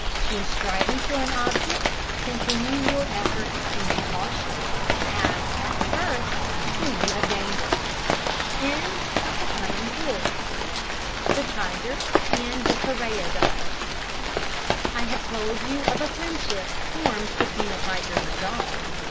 When striving for an object, continue your efforts and be cautious, as at the first, till you have gained it. THE TIGER AND THE PARIAH DOG. I have told you of a friendship formed between a tiger and a dog.